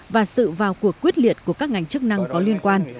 và sự vào cuộc quyết liệt của các ngành chức năng có liên quan